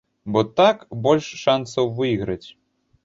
Бо так больш шансаў выйграць.